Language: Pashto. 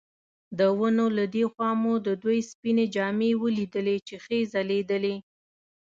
د ونو له دې خوا مو د دوی سپینې جامې ولیدلې چې ښې ځلېدې.